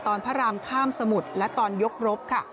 พระรามข้ามสมุทรและตอนยกรบค่ะ